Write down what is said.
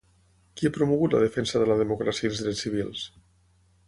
Qui ha promogut la defensa de la democràcia i els drets civils?